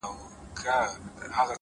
د ژوند پر هره لار چي ځم يوه بلا وينم _